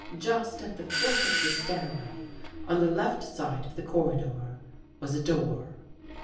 Just at the foot of the stairway, on the left side of the cor ridor, was a door.